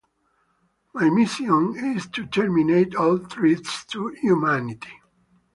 My mission is to terminate all threats to humanity.